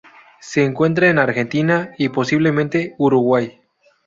Se encuentra en Argentina y, posiblemente, Uruguay.